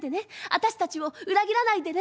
私たちを裏切らないでね。